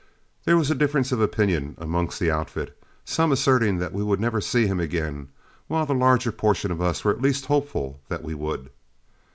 There was a difference of opinion amongst the outfit, some asserting that we would never see him again, while the larger portion of us were at least hopeful that we would.